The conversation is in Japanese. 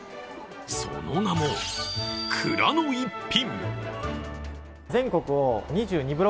その名も、くらの逸品。